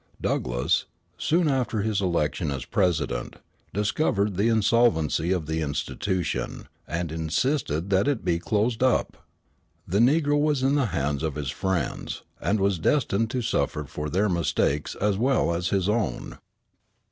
Douglass, soon after his election as president, discovered the insolvency of the institution, and insisted that it be closed up. The negro was in the hands of his friends, and was destined to suffer for their mistakes as well as his own.